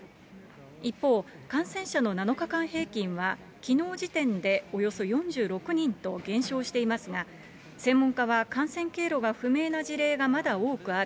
一方、感染者の７日間平均は、きのう時点でおよそ４６人と減少していますが、専門家は、感染経路が不明な事例がまだ多くある。